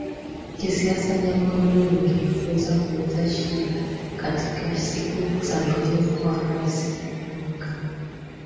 kisiasa jambo hilo lingeweza kuleta shida katika siku za mbele kwa Rais na Makamu